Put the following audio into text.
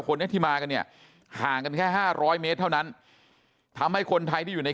คนนี้ที่มากันเนี่ยห่างกันแค่๕๐๐เมตรเท่านั้นทำให้คนไทยที่อยู่ใน